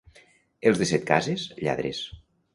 Els de Setcases, lladres.